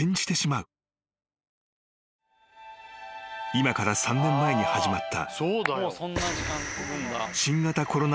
［今から３年前に始まった］